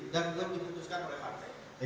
dan itu dimutuskan oleh partai